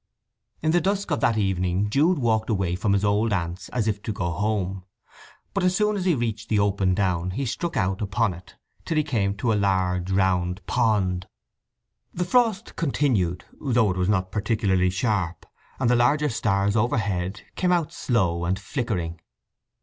In the dusk of that evening Jude walked away from his old aunt's as if to go home. But as soon as he reached the open down he struck out upon it till he came to a large round pond. The frost continued, though it was not particularly sharp, and the larger stars overhead came out slow and flickering.